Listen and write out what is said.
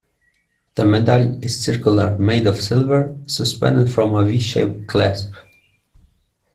The medal is circular, made of silver, suspended from a V-shaped clasp.